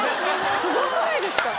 すごくないですか⁉